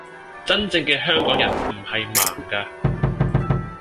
真正嘅香港人唔係盲㗎